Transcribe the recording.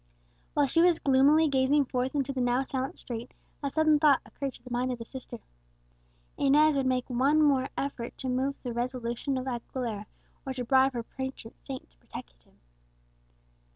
While she was gloomily gazing forth into the now silent street, a sudden thought occurred to the mind of the sister. Inez would make one effort more to move the resolution of Aguilera, or to bribe her patron saint to protect him.